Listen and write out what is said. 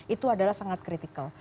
itu adalah sangat kritikal